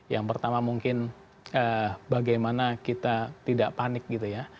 yang pertama mungkin bagaimana kita tidak panik gitu ya